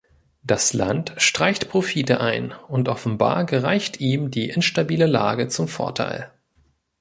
Das Land streicht Profite ein, und offenbar gereicht ihm die instabile Lage zum Vorteil.